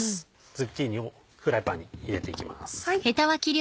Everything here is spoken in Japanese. ズッキーニをフライパンに入れていきます。